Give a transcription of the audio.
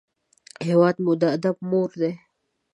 هېواد مو د ادب مور دی